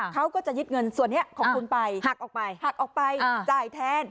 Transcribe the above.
เขาก็จะยึดเงินส่วนนี้ของคุณไปหักออกไปหักออกไปจ่ายแทน